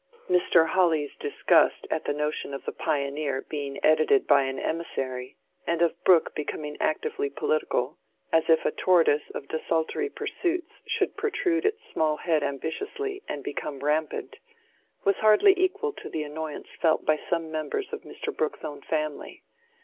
Mr. Hawley's disgust at the notion of the "Pioneer" being edited by an emissary, and of Brooke becoming actively political—as if a tortoise of desultory pursuits should protrude its small head ambitiously and become rampant—was hardly equal to the annoyance felt by some members of Mr. Brooke's own family.